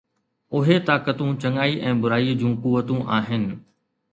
اهي طاقتون چڱائي ۽ برائيءَ جون قوتون آهن